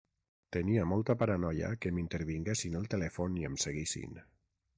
Tenia molta paranoia que m'intervinguessin el telèfon i em seguissin.